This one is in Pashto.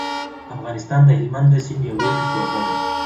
افغانستان د هلمند د سیند یو ډېر ښه کوربه دی.